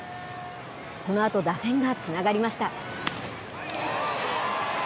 このあと打線がつながりました。